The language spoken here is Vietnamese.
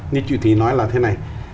như chị thùy nói là thế này